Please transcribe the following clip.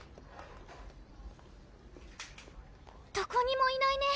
どこにもいないね